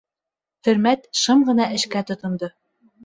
Хөрмәт шым ғына эшкә тотондо.